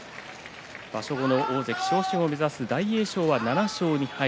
場所後の大関昇進を目指す大栄翔、７勝２敗。